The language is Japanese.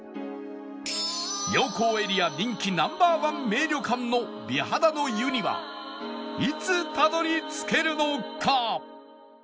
妙高エリア人気 Ｎｏ．１ 名旅館の美肌の湯にはいつたどり着けるのか？